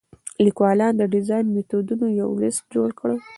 لیکوالانو د ډیزاین میتودونو یو لیست جوړ کړی.